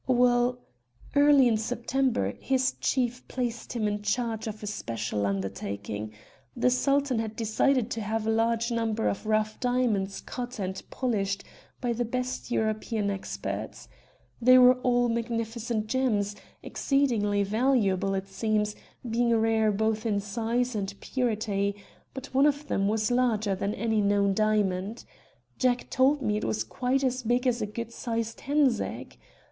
"Well, early in September, his chief placed him in charge of a special undertaking. The Sultan had decided to have a large number of rough diamonds cut and polished by the best European experts. They were all magnificent gems, exceedingly valuable it seems, being rare both in size and purity; but one of them was larger than any known diamond. Jack told me it was quite as big as a good sized hen's egg.